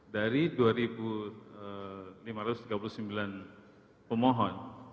dari dua lima ratus tiga puluh sembilan pemohon